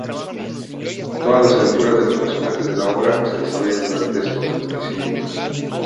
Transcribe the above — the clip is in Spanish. Todas las aventuras de los personajes de la obra, se desarrollan durante estos acontecimientos.